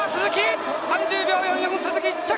３０秒４４、鈴木１着！